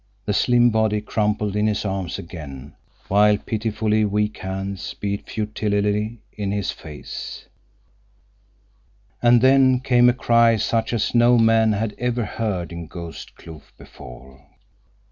The slim body crumpled in his arms again while pitifully weak hands beat futilely in his face. And then came a cry such as no man had ever heard in Ghost Kloof before.